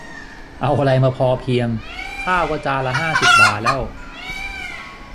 เอาอะไรมาพอเพียง ข้าวก็จานละห้าสิบบาทแล้ว